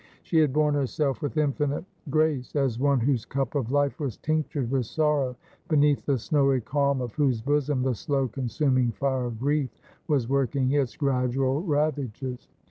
She had borne herself with infinite grace, as one whose cup of life was tinctured with sorrow, beneath the snowy calm of whose bosom the slow consuming fire of grief was working its gradual ravages.